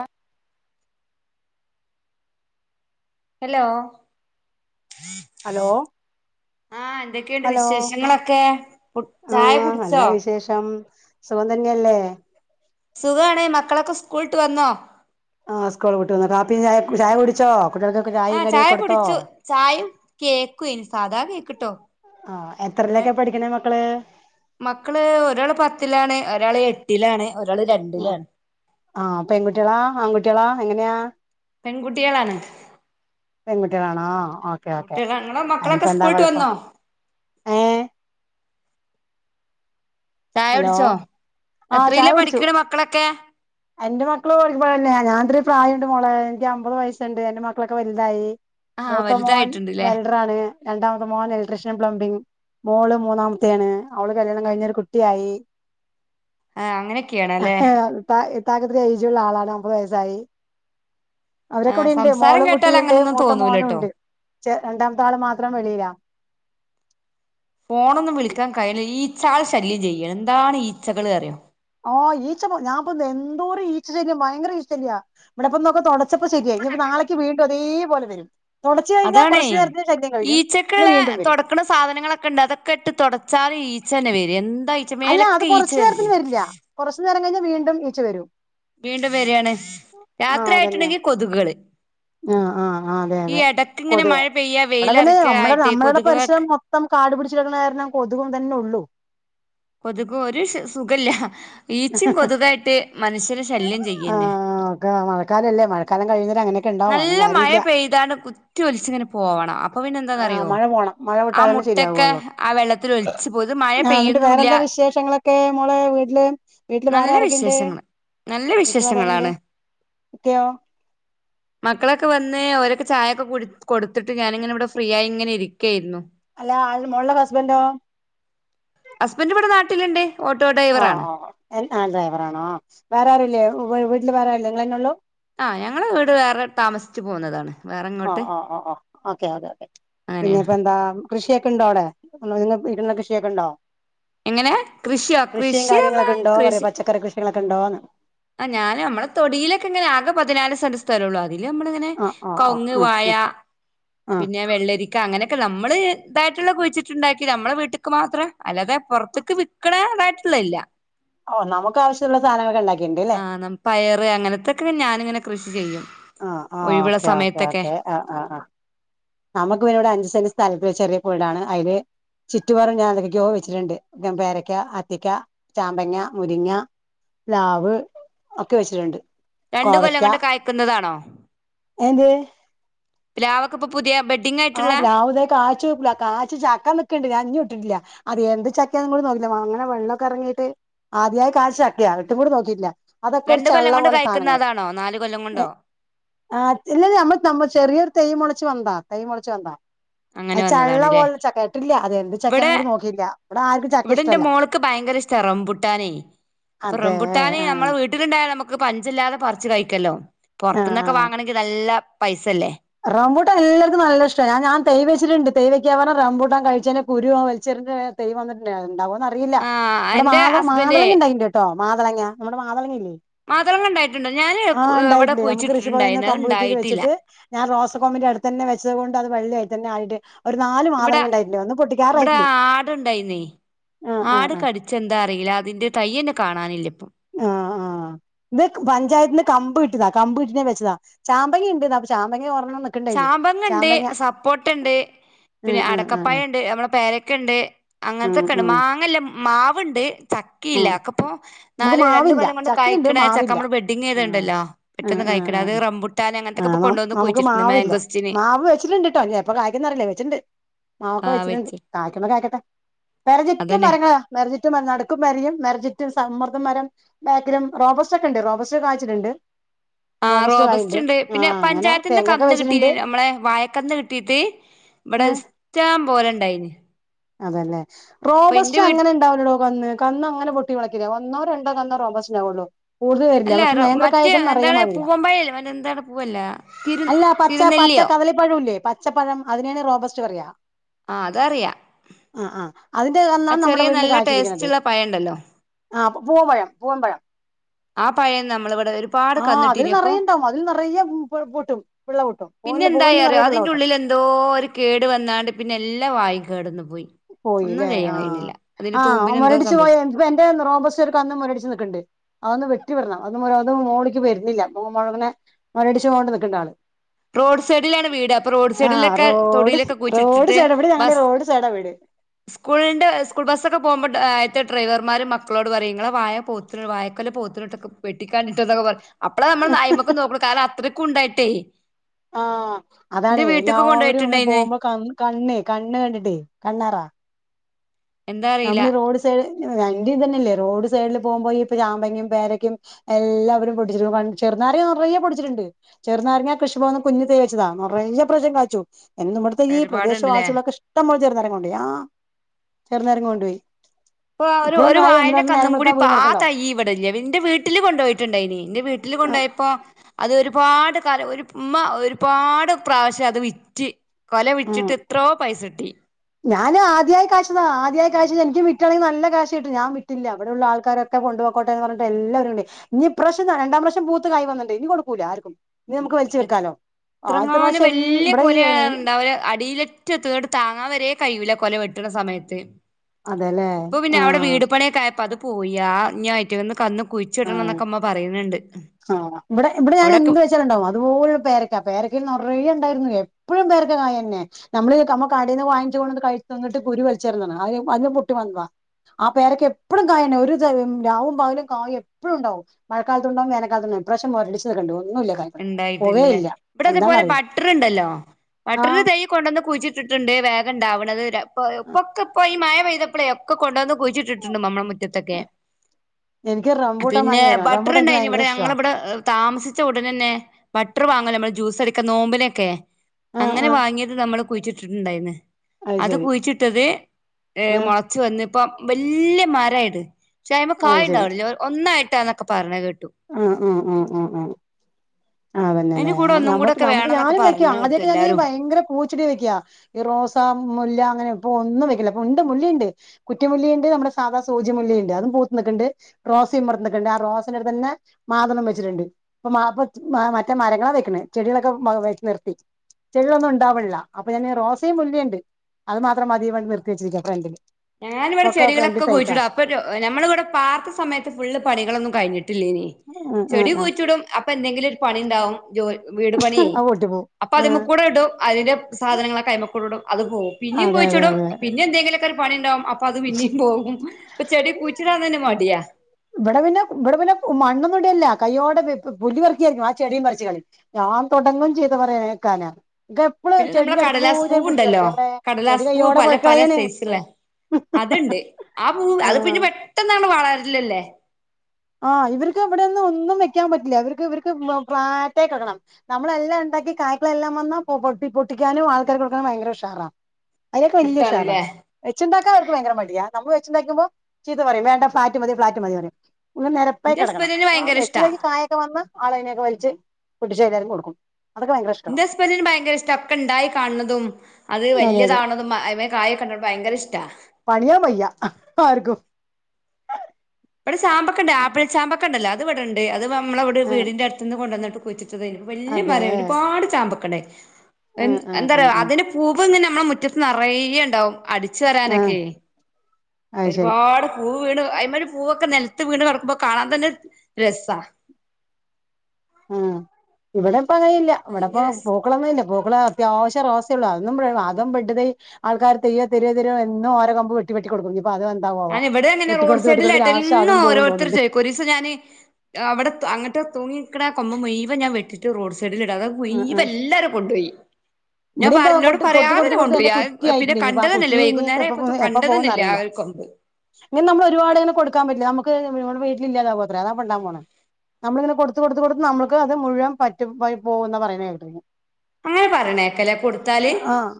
ആഹ്. Hello. Hello. ആഹ് എന്തൊക്കെയുണ്ട് hello വിശേഷങ്ങളൊക്കെ ചായ ആഹ് നല്ല കുടിച്ചോ വിശേഷം സുഖം ത ന്നെല്ലേ. സുഖമാണ് മക്കളൊക്കെ സ്കൂളിട്ട് വന്നോ? ആഹ് സ്കൂള് വിട്ട് വന്ന്, കാപ്പി ചായേം ചായ കുടിച്ചോ? കുട്ടികൾക്കൊക്കെ ആ ചായയും ചായ കടിയൊക്കെ കൊടുത്തോ കുടിച്ചു ചായേം കേക്കുയെനി സാധാ കേക്ക്ട്ടോ. ആഹ് നമ്മളെ എത്രിലൊക്കെ പഠിക്കണേ മക്കള്? മക്കള് ഒരാള് പത്തിലാണ് ഒരാള് എട്ടിലാണ്. ഒരാള് ഉ രണ്ടിലാണ് ആഹ് പെൺകുട്ടികളാ ആൺകുട്ടികളാ എങ്ങനെയാ പെൺകുട്ടികളാണ്. പെൺകുട്ടികളാണോ ഓക്കെ ഓക്കെ കുട്ടികളാ ഇങ്ങളെ അയിനിപ്പ മക്കളൊക്കെ എന്താ സ്കൂളിട്ട് കൊഴപ്പം. വന്നോ ഏഹ്. ഹലോ ചായുടിച്ചോ ആഹ് എത്രെല ചായ കുടിച്ചു പഠിക്കണേ മക്കളൊക്കെ? എന്റെ മക്കള് ഞാൻ ഇത്രി പ്രായുണ്ട് മോളെ എനിക്ക് അമ്പത് വയസ്സുണ്ട് എൻന്റെ മക്കളൊക്കെ വലുതായി. ആഹ് മൂത്തമോൻ വലുതായിട്ടുണ്ട്ല്ലേ വെൽഡറാണ്. രണ്ടാമത്തെ മോൻ ഇലക്ട്രീഷ്യൻ പ്ലംബിംഗ് മോള് മൂന്നാമത്തെയാണ് അവള് കല്യാണം കഴിഞ്ഞ ഒരു കു ട്ടിയായി. ആഹ് അങ്ങനെയൊക്കെയാണല്ലേ ത്താക്കിത്തിരി ഏജുള്ളാളാണ് അമ്പത് വയസായി. അവരൊക്കെ ആഹ് ഇവിടുണ്ട് സംസാരം മോളും കേട്ടാൽ കുട്ടിയുണ്ട് അങ്ങനൊന്നും മൂത്ത മോനും തോന്നൂലട്ടോ ഉണ്ട് രണ്ടാമത്തെ ആള് മാത്രം വെളിയില. ഫോണൊന്നും വിളിക്കാൻ കഴല്ല ഈച്ചാൾ ശല്യം ചെയ്യ എന്താണ് ഈച്ചകള് അറിയോ? ഓ ഈച്ച ഞാൻ പ്പോ എന്തോ ഒരു ഈച്ച ശല്യം ഭയങ്കര ഈശ ശല്യ ഇടെപ്പന്നൊക്കെ തുട ച്ചപ്പോ ശെരിയായി നാളക്ക് വീണ്ടും അതേ പോലെ വരും തൊടച്ച് കഴിഞ്ഞ അതാണേ കുറശ്ശ് നേ ഈച്ചക്കുള്ള തുടക്കണ സാധനങ്ങളൊക്കെ ഉണ്ട് അതൊക്കെ ഇട്ട് തുടച്ചാല് ഈച്ച തന്നെ വര അല്ല അത് കുറച്ചു നേരത്തിന് വരില്ല കുറച്ചു നേരം കഴിഞ്ഞാൽ വീണ്ടും ഈച്ച വരും. വീണ്ടും വര്യയാണ് രാത്രി ആയിട്ടുണ്ടെങ്കി കൊതുകുകള് ആഹ് ആഹ് അതെ ഈ അതെ ഇടക്ക് ഇങ്ങനെ കൊതുവെ മഴ പെയ്യ അവമ്മടെവന് വെയിലറിക്ക നമ്മടെ ആയിട്ട് നമ്മളടെ കൊതുകുക പരിസരം മൊത്തം കാടുപിടി [unintelligible] കാരണം കൊതുകം തന്നെ ഉള്ളൂ കൊതുക്കും ഒരു സുഖല്ല ഈച്ചും കൊതുവായിട്ട് മനുഷ്യരെ ശല്യം ചെയ്യന്നെ മക്കാലല്ല മഴക്കാലം കഴിയുന്ന നല്ല മഴ പെയ്താണ് കുത്തി ഒലിച്ചിങ്ങനെ പോവണം അപ്പോ പിന്നെ എന്താന്ന ആ അറിയോ? മഴ പോണം മഴ ആ വിട്ടാൽ തന്നെ മുട്ടൊക്കെ ശരിയാവുള്ളൂ ആ വെള്ളത്തിൽ ഒലിച്ചു പോത് മഴ ആ എന്നിട്ട് പെയ്യുന്നുല്ല. വേറെന്താ വിശേഷങ്ങളൊക്കെ മോളെ വീട്ടില് വീട്ടില് വേറെ നല്ല ആരൊക്കെ ഉണ്ട് വിശേഷങ്ങള് നല്ല വീട്ടില് വേറെ ആരുണ്ട് വിശേഷങ്ങളാണ്. ഇക്കയോ മക്കളൊക്കെ വന്നേ ഓരൊക്കെ ചായൊക്കെ കൊടുത്തിട്ട് ഞാനിങ്ങനെ ഇവിടെ ഫ്രീ ആയി ഇങ്ങനെ ഇരിക്കായിരുന്നു അല്ല ആ മോളുടെ ഹസ്ബൻഡോ ഹസ്ബന്റ് ഇവിടെ നാട്ടിലുണ്ട് ഓട്ടോ ആ ഡ്രൈവർ ആണ് ഓ ആ ഡ്രൈവറാണോ വേറെ ആരൂല്ലേ വീട്ടില് വേറാരൂല്ലേ നിങ്ങളന്നെ ഉള്ളൂ ആഹ് ഞങ്ങള് വീട് വേറെ താമസിച്ചു പോന്നതാണ് ആ ആ ആ ആ ഓക്കെ ഓക്കെ ഓക്കെ അങ്ങനെയാണ് പിന്നെപ്പോ എന്താ കൃഷിയൊക്കെ ഉണ്ടോ അവിടെ നി ഇടുന്ന കൃഷിയൊക്കെ ഉണ്ടോ എങ്ങനെ കൃഷിയോ കൃഷിയും കൃഷിയെന്നാ കാര്യങ്ങളൊക്കെ ഉണ്ടോ പറയ് കൃഷി പച്ചക്കറി കൃഷികളൊക്കെ ഉണ്ടോന്ന് ആ ഞാന് നമ്മളെ തൊടിയിലൊക്കെ ഇങ്ങനെ ആകെ പതിനാല് സെന്റ് സ്ഥലോള്ളു അ അതില് നമ്മളിങ്ങനെ ആ ആ ആ കവുങ്ങ്, ഉം വായ ഉം ആ പിന്നെ വെള്ളരിക്ക അങ്ങനെയൊക്കെ നമ്മള് ഇതായിട്ടുള്ള കുഴിച്ചിട്ടുണ്ടാക്കി നമ്മളെ വീട്ടക്ക് മാത്രേ അല്ലാതെ പൊറത്തേക്ക് വിക്കണ ഇതായിട്ടുള്ള ഇല്ല ഓ നമുക്ക് ആവശ്യവുള്ള സധനങ്ങ ആ ന പയറ് അങ്ങനത്തൊക്കെ ഞാനിങ്ങനെ കൃഷി ചെയ്യും ആഹ് ആഹ് ഒഴിവുള്ള ഓക്കെ ഓക്കെ സമയത്തൊക്കെ ഓക്കെ ആഹ് ആഹ് ആഹ് നമുക്ക് പിന്നെ ഇവിടെ അഞ്ചുസെന്റ് സ്ഥലത്ത് ചെറിയ വീടാണ് അതില് ചുറ്റുപാറും ഞാൻ എന്തൊക്കെയോ വെച്ചിട്ടുണ്ട് പേരക്ക, ആത്തക്ക ചാമ്പങ്ങ, മുരിങ്ങ പ്ലാവ് ഒക്കെ വെച്ചിട്ടുണ്ട് രണ്ട് കൊല്ലം കോവയ്ക്ക കൊണ്ട് കായ്ക്കുന്നതാണോ എന്ത് പ്ലാവോക്കെ ഇപ്പൊ പുതിയ ബ ആ പ്ലാവ് ദേ കായ്ച്ച് പ്ലാ കായ്ച്ച് ചക്ക നിക്കൊണ്ട് [unintelligible] അത് എന്ത് ചക്കേയാന്നും കൂടി നോക്കില്ലാ അങ്ങനെ വെള്ളമൊക്കെ ഇറങ്ങീട്ട് ആദ്യായി കായ്ച്ച ചക്കയാണ് ഇട്ടും കൂടി നോക്കിയില്ല അതൊക്കെ ഒരു രണ്ട് കൊല്ലം ചെള്ള കൊണ്ട് പോലെ കായ്ക്കുന്ന സാധനങ്ങള് അതാണോ നാല് കൊല്ലം ഏ കൊണ്ടോ ആ ഇല്ല ഇല്ല നമ്മ നമ്മ ചെറിയൊരു തൈ മുളച്ച് വന്നതാ തൈ മുളച്ചു വന്നതാ അങ്ങനെ അത് ചള്ള വന്നതാണ്ല്ലേ പോലെ ചക്ക ഇട്ടില്ല അതെന്ത് ചക്കയും ഇവിടെ കൂടി നോക്കിയില്ല ഇവിടെ ആർക്കും ചക്ക ഇഷ്ടവല്ല റംബൂട്ടാനെ അപ്പൊ ആ റംബൂട്ടാനെനമ്മളെ വീട്ടിലുണ്ടായ നമുക്ക് നമക്ക് പഞ്ചല്ലാതെ പറച്ച് കഴിക്കാല്ലോ പൊറത്തൂന്നൊക്കെ വാങ്ങണമെങ്കി നല്ല പൈസല്ലേ റമ്പൂട്ടാൻ എല്ലാവർക്കും നല്ലിഷ്ടാണ് ഞ ഞാൻ തൈ വെച്ചിട്ടുണ്ട് തൈ വെക്കാൻ പറ റമ്പൂട്ടാൻ കഴിച്ചേന്റെ കുരു വലിച്ചെറി തൈ വന്നിട്ടുണ്ടാരുന്നു ഉണ്ടാവോന്ന് അറിയില്ല ആഹ് ഇവിടെ എന്റെ മാത ഹസ്ബൻഡ് മാതളങ്ങ ഉണ്ടായിട്ടുണ്ട്ട്ടോ മാതളങ്ങ നമ്മുടെ മാതളങ്ങയില്ലേ മാതളം ഉണ്ടായിട്ടുണ്ടോ ഞാന് ഇവിടെ ഉണ്ടായിട്ടുണ്ട് നമുക്ക് ഋഷിഭവനിൽ നിന്ന് കുഴിച്ചിട്ടിട്ടുണ്ടായിരുന്നു അത് കമ്പ് കിട്ടിയിട്ട് ഉണ്ടായിട്ടില്ല വെച്ചിട്ട് ഞാൻ റോസകമ്പിന്റെ അടുത്തുതന്നെ വെച്ചത് കൊണ്ട് അത് വെളളയായി തന്നെ ആയിട്ട് ഒരു നാല് ഇവിടെ മാതളങ്ങ ഉണ്ടായിട്ട്ണ്ട് ഇവിടെ ആടുണ്ടായിന്നീ ആ ആ ആട് കടിച്ചാ എന്താ അറിയില്ല അതിന്റെ തൈയന്നെ കാണാനില്ല ഇപ്പം ആഹ് ആഹ് ഇത് പഞ്ചായത്തിന്റെ കമ്പ് കിട്ടീതാ കമ്പ് കിട്ടീട്ട് ഞാൻ വെച്ചതാ ചാമ്പങ്ങ ഉണ്ട് അപ്പൊ ചാമ്പങ്ങ ഒരെണ്ണം നിക്കണ്ടായില്ലേ ചാമ്പങ്ങ ഇണ്ട് ചാമ്പങ്ങ സപ്പോട്ടുണ്ട് ഉം പിന്നെ ഉം ഉം അടക്കപ്പായുണ്ട് നമ്മളെ പേരക്ക ഉണ്ട് ഉം അങ്ങനത്തൊക്കെ ഉണ്ട് ഉം മാങ്ങയില്ല മാവുണ്ട് ഉം ചക്കയില്ല അക്കപ്പോ നമുക്ക് നാല് രണ്ട് മാവില്ല കൊല്ലം കൊണ്ട് ചക്കയുണ്ട് കായ്ക്കണ ചക്ക മാവില്ല നമ്മള് ബഡിങ് ആഹ് ചെയ്തുണ്ടല്ലോ ആഹ് പെട്ടെന്ന് കായ് ആഹ് കഴിക്കട അത് റമ്പൂട്ടാന് അങ്ങത്തൊക്കെ ഇപ്പൊ ആഹ് ആഹ് കൊണ്ട്ന്ന് നമുക്ക് കുഴിച്ചിട്ട് മാവില്ല മാവ് വെച്ചിട്ടുണ്ട്ട്ടോ ഇനി എപ്പ കായ്ക്കൂന്നറിയില്ല വെച്ചിട്ട്ണ്ട് മാവൊക്കെ ആഹ് വെച്ചിട്ടുണ്ട് വെച്ച് കായ്ക്കണേ കായ്ക്കട്ടെ വെറേചുറ്റും അതന്നെ മരങ്ങളാ വേറെചുറ്റും മരാ മെർജിറ്റും സമ്മർദ്ദം മരം ബിലും റോബസ്റ്റാ ഒക്കെ ഉണ്ട് റോബസ്റ്റാ ഒക്കെ കായിച്ചിട്ടുണ്ട് ആ റോബസ്റ്റ് ഉണ്ട് പിന്നെ അങ്ങനെ പഞ്ചായത്തിന്ന് തെങ്ങൊക്കെ കന്ന് കിട്ടീന് വെച്ചിട്ടുണ്ട് നമ്മളെ വായ കന്ന് കിട്ടീട്ട് ഇവിടെ ഇഷ്ടം പോലുണ്ടായിന് അതേല്ലേ റോബസ്റ്റാ വീട്ട് അങ്ങനെ ഉണ്ടാവലെടോ കന്ന് കന്ന് അങ്ങനെ പൊ ട്ടിമുളക്കില്ല ഒന്നോ രണ്ടോന്നോ റോബസ്റ്റാ ഉള്ളൂ കൂടുതൽ വരില്ല അല്ല പക്ഷെ നേന്ത്ര മറ്റേ കായൊക്കെ നിറയെ എന്താണ് മാതിരിയാ പൂവമ്പഴല്ലേ മറ്റേ എന്താണ് പൂവല്ല തിരു അല്ല പച്ച പ ച്ച തിരുനെല്ലിയോ കതലിപ്പഴോല്ലേ പച്ചപ്പഴം അതിനേയാണ് റോബസ്റ്റാ പറയാ ആ അതറിയ ആ ആ അതിന്റെ അന്നാണ് നമ്മുടെ ചെറിയ വീട്ടില് നല്ല ടേസ്റ്റ് കായ്ച്ചിരിക്കുന്നത് ഉള്ള പഴണ്ടല്ലോ ആ പൂവം പഴം പൂവൻ പഴം ആ പഴം നമ്മളിവിടെ ഒരുപാട് ആഹ് അതില് കന്നിട്ടീന് അപ്പൊ നിറയണ്ടാവും അതിൽ നിറയ പൊട്ടും പിള്ള പൊട്ടും പിന്നെ പൂവനില് എന്തായ പൂവനില് അറിയോ നിറയെ പിള്ള അതിന്റെ പൊട്ടും ഉള്ളിൽ എന്തോ ഒരു കേട് വന്നാണ്ട് പിന്നെ എല്ലാം വാഴി പോയില്ലേ ആഹ് അതിന്റെ ആഹ് തൂമ്പിന് എന്തോ മുരടിച്ചു പോയ സംഭവിച്ചു എന്റെ റോബസ്ർക്ക് അന്ന് മുരടിച്ചച്ച് നിക്കണ്ട് അതൊന്ന് വെട്ടി വിടണം അതും മോളിക്ക് വരുന്നില്ലോഴങ്ങനെ മരടിച്ചു കൊണ്ട് നിൽക്ക് ണ്ട് ആള് റോഡ് സൈഡിലാണ് വീട് അപ്പൊ റോഡ് ആ സൈഡിലൊക്കെ റോഡ് തൊടിയിലൊക്കെ റോഡ് കുഴിച്ചിട്ടിട്ട് സൈഡ് എവിടെ ഞങ്ങളുടെ റോഡ് സൈഡ് എവി [unintelligible] സ്കൂളിൻ്റെ സ്കൂൾ ബസൊക്കെ പോകുമ്പോൾ അദിത്തെ ഡ്രൈവർമാർ മക്കളോട് പറയയും ങ്ങളെ വയ പോ വായക്കുല പോത്തി വെട്ടിക്കാണ്ടിട്ടന്നൊക്കെ പറിം അപ്പളെ നമ്മള് അയ്മക്കെ നോക്കണ കാരണം അത്രക്കും ഉണ്ടായിട്ടേ ആഹ് അതാണ് എന്റെ വീട്ട്ക്ക് എല്ലാവരും അങ്ങനെ കൊണ്ടോയിട്ടുണ്ടായിന്ന് പോകുമ്പോ കണ് കണ്ണേ കണ്ണ് കണ്ടിട്ടേ കണ്ണാറാ എന്താ അറിയില്ല നമ്മള് ഈ റോഡ് സൈഡ് വണ്ടി ഇത് തന്നെല്ലേ റോഡ് സൈഡിൽ പോകുമ്പോ പോയി ഇപ്പ ചാമ്പങ്ങയും പേരക്കും എല്ലാവരും പൊടിച്ചി പോകും ചെറുനാരങ്ങ നറയെ പൊച്ചിട്ടു ചെറുാരങ്ങാ കൃഷി പോകന്ന് കുഞ്ഞ് തൈ വച്ചതാ നിറയെ പ്രാവശ്യം കായ്ച്ചു എന്ന് ഇവിടുത്തെ ഈ ഒരുപാടുണ്ട്ല്ലേ പ്രദേശവാസികളൊക്കെ ഇഷ്ടം പോലെ ചെറുനാരങ്ങ കൊണ്ട് പോയി ചെറുനാരങ്ങ കൊണ്ടുപോയി അപ്പൊ ഒരു വായന്റെ കന്നും കൂടി ഇപ്പൊ വീണ് ആ തൈ കെടക്ക്ണ്ടാവും ഇവിടെ ഇല്ല എന്റെ വീട്ടില് കൊണ്ടുപോയിട്ടുണ്ടായിനി എന്റെ വീട്ടില് ആഹ് ണ്ടപ്പോ അത് ഒരുപാട് കാലം ഒരു ഉമ്മ ഒരുപാട് പ്രാവശ്യം അത് വിറ്റ് കൊല വിറ്റിട്ട് എത്രയോ പൈസ സകിട്ടി ഞാന് ആദ്യായി കാശ്താ ആദ്യായി കാശ് എന്ക്ക് വിറ്റാണെങ്കി നല്ല കാശ് കിട്ടും ഞാൻ വിറ്റില്ല ഇവിടൊള്ള ആൾക്കാരൊക്കെ കൊണ്ട്പൊക്കോട്ടേന്ന് പറഞ്ഞിട്ട് എല്ലാവരും കൊണ്ടോയി. ഇഞിപ്രാശ്യം രണ്ടാം പ്രാശ്യം പൂത്ത് കായ് വന്നിണ്ട് ഇനി കൊടുക്കൂല ആർക്കും ഞി നമുക്ക് വലിച്ച് വെക്കാലൊ ഇത്രങ്ങാനും വല്യ കൊലയാണ്ടാവല്. അടീലെറ്റെത്തും ഇന്ന്ട്ട് താങ്ങാ വരേ കയ്യൂല കൊല വെട്ട്ണ സമയത്ത് അതെല്ലേ ഇപ്പൊ പിന്നെ ആ അവ്ടെ വീട് പണിയൊക്കായപ്പത് പോയി. ആഹ് ഞയിട്ടത് ന്ന്. കന്ന് കുഴിച്ചിടണം ആഹ്. എന്നൊക്കെ ഉമ്മ പറയുന്നുണ്ട് ആഹ്. ഇവടെ ഇവടെ അവിടൊക്കെ ഞാനെന്ത് വെച്ചാലണ്ടാവും അതുപോലെ പേരക്ക പേരക്കീല് നെറയെണ്ടായിര്ന്ന്. എപ്പഴും പേരക്ക കായന്നെ. നമ്മള് കടയിന്ന് വാങ്ങിച്ച് കൊണ്ടന്ന് കഴിച്ച തിന്ന്ട്ട് കുരു വലിച്ചെർന്ന അയെ അതിന്ന് പൊട്ടി വന്നത ആഹ് പേരക്ക എപ്പളും കായന്നെ ഒര് രാവും പകലും കായി എപ്പഴുണ്ടാവും. മഴക്കാലത്തുണ്ടാവും. വേനൽകാലത്തുണ്ട ഇപ്രാവശ്യം മൊരടിച്ച് നികണ്ടു ഇണ്ടായിട്ട്ല്ലലെ ഇവടെ അതെപോലെ എന്താന്നറിയില്ല ബട്ട്റ്ണ്ടല്ലൊ ബട്ട്റിന്റെ ആഹ് തയ്യ് കൊണ്ടന്ന് കുഴിച്ച് ഇട്ടിട്ട്ണ്ട് വേഗം ഇണ്ടാവ്ണത് ഇപ ഇപ്പൊക്കെ ഈ മഴ പെയ്തപ്പളെ ഒക്കെ കൊണ്ടന്ന് കുയിച്ചിട്ടിട്ട്ണ്ട് മമ്മ്ള മുറ്റത്തൊക്കെ എനിക്ക് റംബൂട്ടാൻ പിന്നെ വാങ്ങി വെക്കണം ബട്ട്റ് റംബൂട്ടാൻ എനിക്ക് ഇണ്ടയ്ന് ഭയങ്കര ഇവടെ ഇഷ്ടവാ ഞങ്ങളവ്ടെ താമസിച്ച തന്നെ ബട്ട്റ് വാങ്ങൊലൊ ഞമ്മള് ജ്യൂസ്സടിക്ക നോമ്പിനൊക്കെ ആഹ് അങ്ങനെ ആഹ് വാങ്ങിയത് നമ്മള് കുഴിച്ച്ട്ട്ട്ട്ണ്ടായ്ന്ന് അത് കുഴിച്ചിട്ടത് ഏഹ് ആഹ് മൊളച്ച് വന്ന് ഇപ്പ വല്യ മരായ്ട്ട് പഷെ അയ്മെ അത് കായ് ഇണ്ടാവ്ണില്ല ഒന്നായിട്ടാണ്ന്നൊക്കെ പറഞ്ഞത് കേട്ട് ഉം ഉം ഉം ഉം ഉം അതിന് അതന്നെലേ. കൂടെ ഒന്നും കൂടെ ഞമ്മക്ക് ഒക്കെ ഞമ്മക്ക് വേണംന്നൊക്കെ ഞാനും വെക്ക പറഞ്ഞ് കേട്ടു ആദ്യൊക്കെ ഞാന് എല്ലാരും ഭയങ്കര പൂച്ചെടിയ വെക്ക എറോ സാ മുല്ല അങ്ങനെ പ്പൊ ഒന്നും വെക്ക്ണില്ല ഇപ്പൊ ഉണ്ട് മുല്ലീണ്ട് കുറ്റിമുല്ലീണ്ട് നമ്മ്ടെ സാധാ സൂചിമുല്ലീണ്ട് അതും പൂത്ത് നിക്ക്ണ്ണ്ട് റോസെ ഇമ്മർത്ത്നിക്ക്ണ്ണ്ട് ആഹ് റോസന്റെ അടുത്തെന്നെ മാതളും വെച്ചിട്ട്ണ്ട് പൊ മ മറ്റെ മരങ്ങളാ വെക്ക്ണെ ചെടികളൊക്കെ വെ നിർത്തി ചെടിളൊന്നും ഇണ്ടാവ്ണില്ല അപ്പൊ ഞാൻ റോസീം, മുല്ലിം ഇണ്ട് അത് മാത്രം മതി പറഞ്ട്ട് നിർത്തി വെച്ചിരിക്ക ഫ്രണ്ട്ല് ഞാനിവടെ ചെടികളൊക്കെ കുഴ്ച്ചിടും അപ്പൊ ഞമ്മളവ്ടെ പാർത്ത സമയത്ത് ഫുള്ള് പണികളൊന്നും കഴിഞ്ഞ്ട്ടില്ലേന് ആഹ് ആഹ് ചെടി ആഹ് കുഴ്ച്ച്ടും അപ്പൊന്തെങ്കിലും ഒര് പണിണ്ടാവും ജോലി വീട് പണി അത് പൊട്ടി പോവും അപ്പൊ ആഹ് അതിമ്മക്കുടെ ഇടും അതിന്റെ സാധനങ്ങളൊക്കെ അയിമക്കുടെ ഇടും അത് പോവും പിന്നെ അതെ അതെ കുഴിച്ചിടും അതെ പിന്നെ എന്തേങ്കിലൊക്കെ ഒരു പണിണ്ടാവും അപ്പൊ അത് പിന്നീം പോവും ഇപ്പൊ ചെടി കുഴിച്ചിടാൻ തന്നെ മടിയാ ഇവിടെ പിന്നെ ഇവിടെ പിന്നെ മണ്ണൊന്നുമിടല്ല കയ്യോടെ പുല്ല് പറിക്കായിരിക്കും ആഹ് ചെടിയും പറിച്ച് കളയും അവൻ തൊടങ്ങും ചെയ്ത് പറയാന് നിക്കാന് ഇത് എപ്പളും പിന്നെ നമ്മളെ ചെടിന്റെടുത്ത് കടലാസ് പോയ്ട്ട പുല്ല് പൂവുണ്ടല്ലോ പറിക്കാൻ ചെടി കയ്യോടെ പുഴുതു കളയാണ് അതിണ്ട് ആ പൂവ് അത് പിന്നെ പെട്ടെന്ന അങ്ങട്ട് വളരലല്ലെ ആഹ് ഇവർക്ക് ഇവിടെന്നും ഒന്നും വെക്കാൻ പറ്റില്ല ഇവർക്ക് ഇവർക്ക് ഫ്ളാറ്റായ് കെടക്കണം നമ്മളെല്ലാ ഇണ്ടാക്കി കായ്ക്കളെല്ലാം വന്നാ പൊ പൊട്ടിക്കാനും ആൾക്കാർക്കൊടുക്കാനും ഭയങ്കര ഉഷാറ അതിനൊക്കെ വല്യ ഉഷാറ ഇഷ്ടാണല്ലേ വെച്ച്ണ്ടാക്കാ അവർക്ക് ഭയങ്കര മടിയ നമ്മള് വെച്ച്ണ്ടാക്കുമ്പൊ ചീത്ത പറയും വേണ്ട ഫ്ളാറ്റ് മതി ഫ്ളാറ്റ് മതി പറയും ഒന്ന് നെരപ്പായി എന്റെ കെടക്കണം ഹസ്ബൻഡിന് ഭയങ്കര വെച്ചി ഇഷ്ടാ ണ്ടാക്കി കായയൊക്കെ വന്ന ആള് അതിനെക്കെ വലിച്ച് പൊട്ടിച്ച് എല്ലാർക്കൂം കൊടുക്കും അതൊക്കെ ഭയങ്കര ഇഷ്ടവാ ഇന്റ ഹസ്ബന്റിന് ഭയങ്കര ഇഷ്ട ഒക്കെ ഇണ്ടായി കാണണതും അത് അതെ അതെ വല്യതാവണതും അയിമേൽ കായയൊക്കെ വര ഭയങ്കരഷ്ടാ പണിയാൻ വയ്യ ആർക്കും ഇവിടെ ചാമ്പക്കണ്ട് ആപ്പിൾ ചാമ്പക്കണ്ടല്ലൊ അത് ഇവിടെണ്ട് അത് നമ്മള അവിടെ ആഹ് വീടിന്റെ അടുത്തിന്ന് കൊണ്ടന്നിട്ട് കുഴി ച്ചത വല്യ അതെ മര ഒരുപാട് ചാമ്പക്ക ഉണ്ടായി ആഹ് ആഹ് ആഹ് എന്താറിയോ ആഹ് അതിൻ്റെ പൂവ് ഇങ്ങനെ നമ്മളെ മുറ്റത്ത് നെറയ്യെ ഇണ്ടാവും അടിച്ച് ആഹ് വാരാനൊക്കെ അത് ശരി ഒരുപാട് പൂ വീണ് അയ്മരി പൂവൊക്കെ നെലത്ത് വീണ് കെടക്കുമ്പൊ കാണാൻ തന്നെ രസ ഉം ഇവിടെ ഇപ്പ അങ്ങനെയില്ല ഇവിടിപ്പൊ ഭയങ്കര രസ പൂക്കളൊന്നും ഇല്ല പൂക്കള് അത്യാവശ്യം റോസാ ഉള്ള് അതും ബഡ് തൈയ് ആൾക്കാര് തരോ തരോ തരോ എന്നും ഓരൊ കമ്പ് വെട്ടി വെട്ടി കൊടുക്കും അത് എന്താവോ ആവോ ഞാൻ ഇവിടെ അങ്ങന റോഡ് വെട്ടിക്കൊടുത്ത് സൈഡിൽ വെട്ടിക്കൊടുത്ത് ഇടയിൽ ലാസ്റ്റ് എന്നും അതും പോകും ഓരോരുത്തർ തോന്നുന്നുണ്ട് ചോദിക്കും ഒരു ദിവസം ഞാന് അവിടെ അങ്ങട്ട് തൂങ്ങി നിക്കണ കൊമ്പ് മുഴുവൻ ഞാൻ വെട്ടീട്ട് റോഡ് സൈഡിൽ ഇടാ അത് മുഴുവൻ എല്ലാരും കൊണ്ടുപോയി ഉ ഞാൻ ഇവിടെ പറ ഇപ്പ എന്നോട് കൊണ്ട് കൊടുത്തു കൊടുത്തു പറയാതെന്നെ കൊടുത്ത് കൊണ്ടോയി എന്റെ ഞാൻ കുറ്റി പിന്നെ ആയിട്ടുണ്ട് ഇനിപ്പൊ ആ കുറ്റി കണ്ടതന്നല്ലേ ഇനി വൈകുന്നേരം ആയപ്പോ എപ്പ കണ്ടതന്നല്ലേ ആ പോകോന്നറിയില്ല ഒരു കൊമ്പ് ഇങ്ങന നമ്മള് ഒരുപാട് ഇങ്ങനെ കൊടുക്കാൻ പറ്റില്ല നമ്മക്ക് നമ്മളെ വീട്ടിലില്ലാതെ ആവും അതാ ഇപ്പ ഇണ്ടാവാൻ പോണെ നമ്മളിങ്ങനെ കൊടുത്ത് കൊടുത്ത് കൊടുത്ത് നമ്മുക്ക് അത് മുഴുവൻ പറ്റി പോകുന്ന പറയണ അങ്ങനെ പറയണ കേക്കാല്ലേ കൊടുത്താല് ആഹ്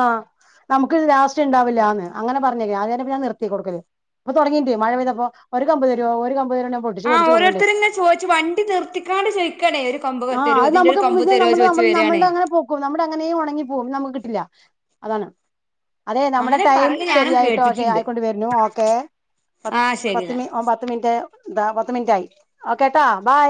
ആഹ് നമുക്ക് ലാസ്റ്റ് ഉണ്ടാവില്ല എന്ന് അങ്ങനെ പറഞ്ഞ് അത് കഴിഞ്ഞപ്പോ ഞാൻ നിർത്തി കൊടുക്കല് ളപ്പൊ തുടങ്ങിട്ട് ഉണ്ട് മഴ പെയ്തപ്പോ ഒരു കമ്പ് തരോ ഒരു കമ്പ് തരുവോ ഞാൻ പൊട്ടിച്ച് ആ പൊട്ടിച്ച് കൊടുക്കണ്ട് ഓരോരുത്തർ ഇങ്ങന ചോദിച്ചു വണ്ടി നിർത്തിക്കാണ്ട് ചോദിക്കാണേ ഒരു കൊമ്പ് തരോ ഇതിന്റെ ഒരു കൊമ്പ് തരോ നമ്മ നമ്മ നമ്മൾടെ അങ്ങനെ പോകും നമ്മുടെ അങ്ങനെയെ ഉണങ്ങിപ്പോകും നമുക്ക് കിട്ടില്ല അതാണ് അതെ നമ്മുടെ അങ്ങനെ ടൈം പറയണ ഞാനും ശരിയായിട്ടോ കേട്ടിട്ടുണ്ട് ആയിക്കൊണ്ട് വരുന്നു ഓക്കെ ! ആഹ് ശരി എന്നാ ദാ പത്ത് മിനിറ്റ് ആയി ഓക്കെട്ടാ ബൈ